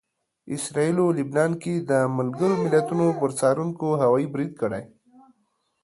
اسراییلو لبنان کې د ملګرو ملتونو پر څارونکو هوايي برید کړی